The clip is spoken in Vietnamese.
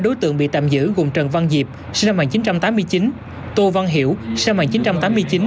đối tượng bị tạm giữ gồm trần văn diệp sinh năm một nghìn chín trăm tám mươi chín tô văn hiểu sinh năm một nghìn chín trăm tám mươi chín